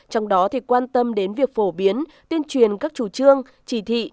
trong đó thì quan tâm đến việc phổ biến tuyên truyền các chủ trương chỉ thị